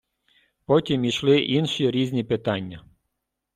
Потім ішли інші різні питання.